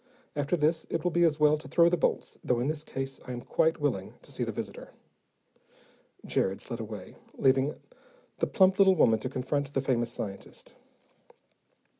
After this, it will be as well to throw the bolts, though in this case I am quite willing to see the visitor." Jared slid away, leaving the plump little woman to confront the famous scientist.